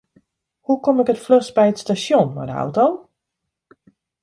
Hoe kom ik it fluchst by it stasjon mei de auto?